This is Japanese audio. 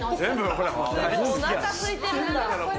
おなかすいてるんだ。